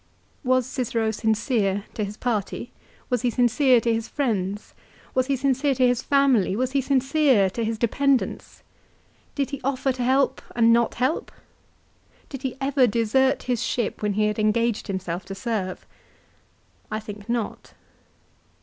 Was Cicero sincere to his party, was he sincere to his friends, was he sincere to his family, was he sincere to his dependants ? Did he offer to help and not help ? Did he ever desert his ship, when he had engaged himself to serve ? I think not.